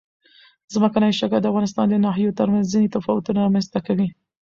ځمکنی شکل د افغانستان د ناحیو ترمنځ ځینې تفاوتونه رامنځ ته کوي.